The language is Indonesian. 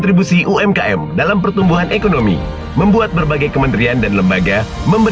ditunjuk sebagai movement manager